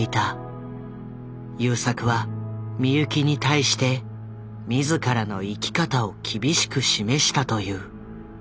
優作は美由紀に対して自らの生き方を厳しく示したという。